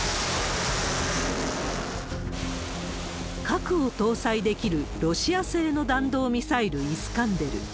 核を搭載できるロシア製の弾道ミサイル、イスカンデル。